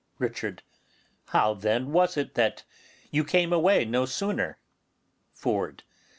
Richard. How then was it that you came away no sooner? Ford.